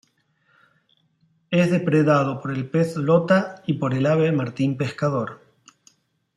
Es depredado por el pez "lota" y por el ave "martín pescador".